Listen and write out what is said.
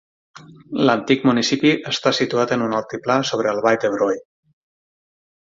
L'antic municipi està situat en un altiplà sobre la vall de Broye.